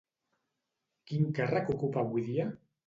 Quin càrrec ocupa avui dia?